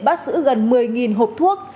bác sứ gần một mươi hộp thuốc